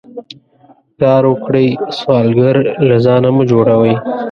کار وکړئ سوالګر له ځانه مه جوړوئ